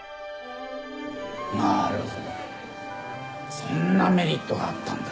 なるほどそんなメリットがあったんだ。